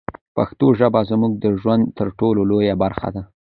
پښتو ژبه زموږ د ژوند تر ټولو لویه برخه ده.